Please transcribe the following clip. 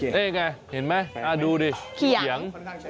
นี่ไงเห็นไหมดูดิเขียง